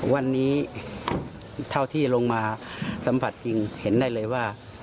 วันนี้เท่าที่ลงมาสัมผัสจริงเห็นได้เลยว่า